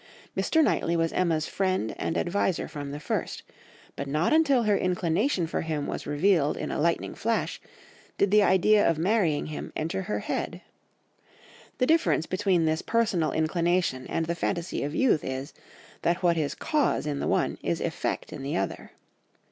Mr. Knightley was Emma's friend and adviser from the first, but not until her inclination for him was revealed in a lightning flash did the idea of marrying him enter her head. The difference between this personal inclination and the fantasy of youth is, that what is cause in the one is effect in the other.